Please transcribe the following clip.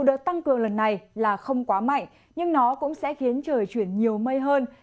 và dù đợt tăng cường lần này là không quá mạnh nhưng nó cũng sẽ khiến trời chuyển nhiều mây hơn và có mưa rải rác